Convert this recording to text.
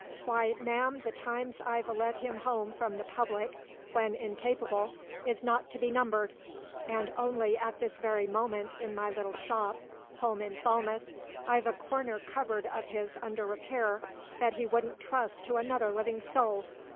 Why, ma'am, the times I've a led him home from the public when incapable is not to be numbered; and only at this very moment in my little shop, home in Falmouth, I've a corner cupboard of his under repair that he wouldn't trust to another living soul!